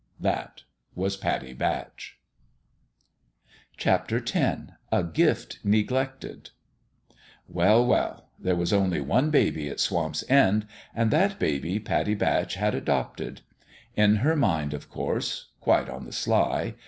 That was Pattie Batch. A GIFT NEGLECTED WELL, well 1 there was only one baby at Swamp's End ; and that baby Pattie Batch had adopted. In her mind, of course : quite on the sly.